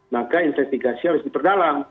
maka investigasi harus diperdalam